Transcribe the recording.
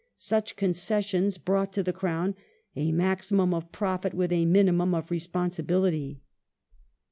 Such concessions brought to the Crown a maximum of profit with a minimum of responsibility.